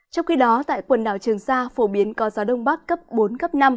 trong khi đó tại quần đảo trường sa phổ biến có gió đông bắc cấp bốn cấp năm